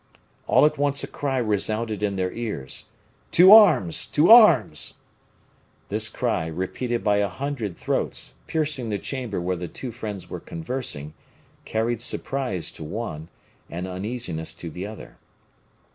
All at once a cry resounded in their ears: "To arms! to arms!" This cry, repeated by a hundred throats, piercing the chamber where the two friends were conversing, carried surprise to one, and uneasiness to the other.